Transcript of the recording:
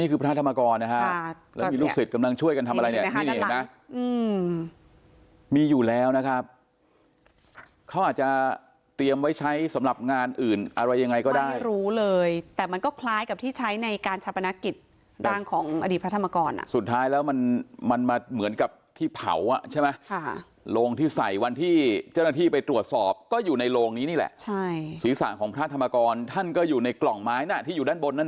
อืมมีอยู่แล้วนะครับเขาอาจจะเตรียมไว้ใช้สำหรับงานอื่นอะไรยังไงก็ได้มันรู้เลยแต่มันก็คล้ายกับที่ใช้ในการชาปนกิจร่างของอดีตพระธรรมกรอ่ะสุดท้ายแล้วมันมันมาเหมือนกับที่เผาอ่ะใช่ไหมค่ะโลงที่ใส่วันที่เจ้าหน้าที่ไปตรวจสอบก็อยู่ในโลงนี้นี่แหละใช่ศีรษะของพระธรรมกรท่านก็อย